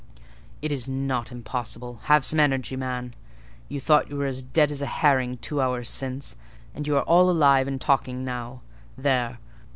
"It is not impossible: have some energy, man. You thought you were as dead as a herring two hours since, and you are all alive and talking now. There!